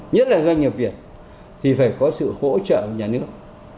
nhất là doanh nghiệp việt thì phải có sự hỗ trợ nhà nước